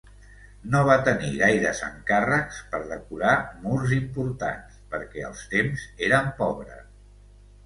No va tenir gaires encàrrecs per decorar murs importants perquè els temps eren pobres.